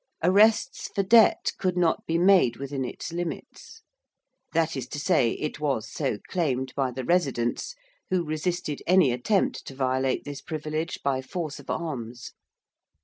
Arrests for debt could not be made within its limits. That is to say, it was so claimed by the residents, who resisted any attempt to violate this privilege by force of arms.